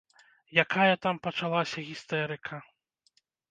Якая там пачалася істэрыка!!!